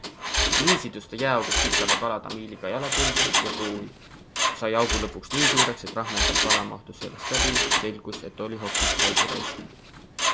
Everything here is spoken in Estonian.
Nii sidus ta jääaugus sipleva kala tamiiliga jala külge ja kui sai augu lõpuks nii suureks, et rahmeldav kala mahtus sellest läbi, selgus, et oli hoopis haugiraisk.